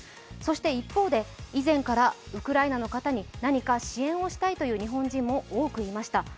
そして一方で、以前からウクライナの方に何か支援をしたいという日本人も多くいました。